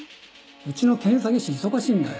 うちの検査技師忙しいんだよ。